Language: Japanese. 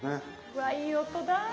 うわいい音だ。